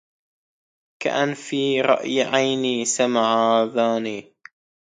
كأن في رأي عيني سمع آذاني